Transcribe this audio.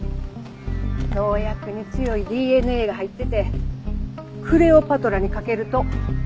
農薬に強いＤＮＡが入っててクレオパトラにかけると。